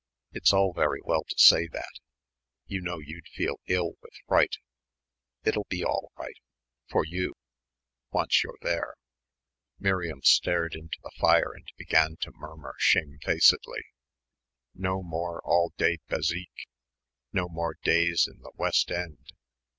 "It's all very well to say that. You know you'd feel ill with fright." "It'll be all right for you once you're there." Miriam stared into the fire and began to murmur shamefacedly. "No more all day bézique.... No more days in the West End....